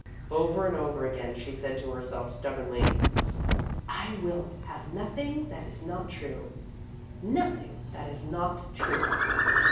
Over and over again she said to herself, stubbornly: "I will have nothing that is not true nothing that is not true."